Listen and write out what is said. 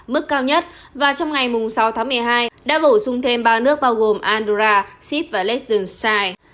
mức cao nhất và trong ngày sáu tháng một mươi hai đã bổ sung thêm ba nước bao gồm andura sip và lestense